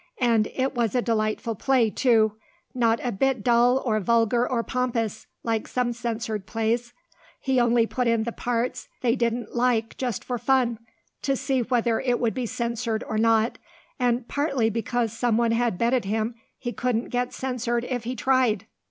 And it was a delightful play, too. Not a bit dull or vulgar or pompous, like some censored plays. He only put in the parts they didn't like just for fun, to see whether it would be censored or not, and partly because someone had betted him he couldn't get censored if he tried."